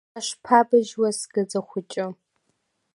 Ҳашԥабшьуаз, сгаӡа хәыҷы!